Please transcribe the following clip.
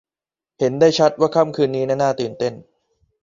เห็นได้ชัดว่าค่ำคืนนี้นั้นน่าตื่นเต้น